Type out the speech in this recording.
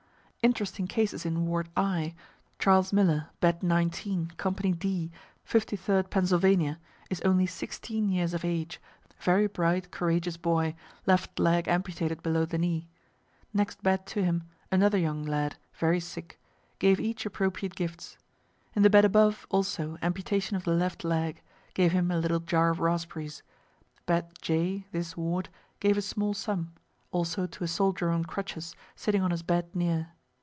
Interesting cases in ward I; Charles Miller, bed 19, company D, 53d Pennsylvania, is only 16 years of age, very bright, courageous boy, left leg amputated below the knee; next bed to him, another young lad very sick; gave each appropriate gifts. In the bed above, also, amputation of the left leg; gave him a little jar of raspberries; bed J, this ward, gave a small sum; also to a soldier on crutches, sitting on his bed near....